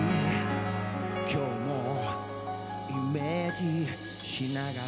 「今日もイメージしながら」